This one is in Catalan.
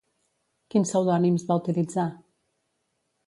Quins pseudònims va utilitzar?